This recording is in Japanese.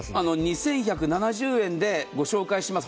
２１７０円でご紹介します。